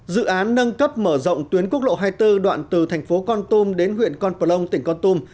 dự án nâng cấp mở rộng tuyến quốc lộ hai mươi bốn đoạn từ thành phố con tum đến huyện con plong tỉnh con tum